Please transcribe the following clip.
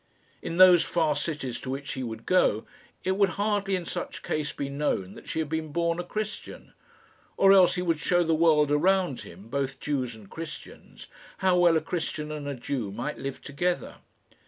In those far cities to which he would go, it would hardly in such case be known that she had been born a Christian; or else he would show the world around him, both Jews and Christians, how well a Christian and a Jew might live together.